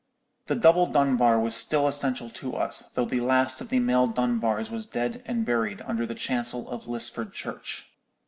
The double Dunbar was still essential to us, though the last of the male Dunbars was dead and buried under the chancel of Lisford Church.